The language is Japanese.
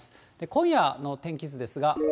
今夜の天気図ですが。